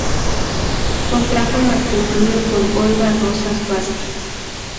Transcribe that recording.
Contrajo matrimonio con Olga Rosas Vázquez.